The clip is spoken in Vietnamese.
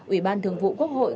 ủy ban thường vụ quốc hội